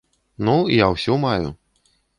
Ну, я ўсю маю.